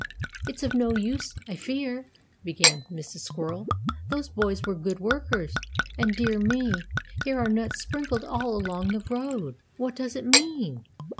"It's of no use, I fear," began Mrs. Squirrel; "those boys were good workers and dear me, here are nuts sprinkled all along the road. What does it mean?"